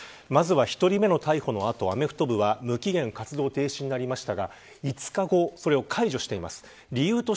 １人目の逮捕の後、アメフト部は無期限の活動停止になりました。